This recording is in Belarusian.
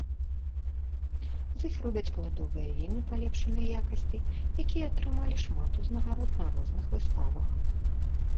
З іх робяць пладовыя віны палепшанай якасці, якія атрымалі шмат узнагарод на розных выставах.